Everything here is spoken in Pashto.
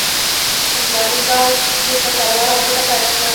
په فلاني کال کې په تلوار او پټه پیل شوه.